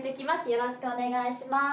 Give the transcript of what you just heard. よろしくお願いします。